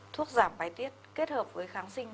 thuốc giảm bài tiết kết hợp với kháng sinh